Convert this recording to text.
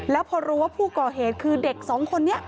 แล้วพอรู้ว่าผู้ก่อเหตุคือเด็กสองคนนี้